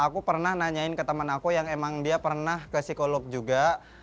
aku pernah nanyain ke temen aku yang emang dia pernah ke psikolog juga